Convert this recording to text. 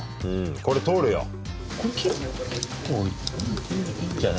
うんこれ通るよ。